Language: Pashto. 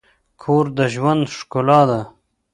کور د ژوند ښکلا ده.